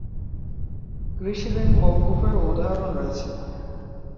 কৃষিঋণ মওকুফেরও উদাহরণ রয়েছে।